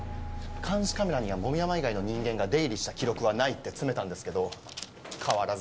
監視カメラには籾山以外の人間が出入りした記録はないって詰めたんですけど変わらずです。